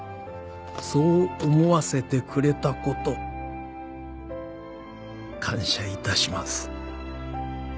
「そう思わせてくれた事感謝いたします」